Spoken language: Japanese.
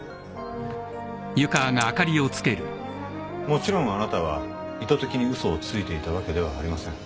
もちろんあなたは意図的に嘘をついていたわけではありません。